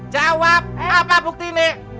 jawab apa buktinya